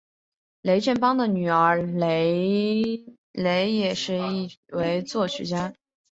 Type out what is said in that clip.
雷振邦的女儿雷蕾也是一位作曲家。